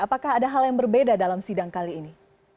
apakah ada hal yang berbeda dalam sidang kali ini